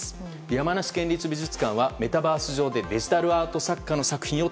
山梨県立美術館はメタバース上でデジタルアート作家の作品を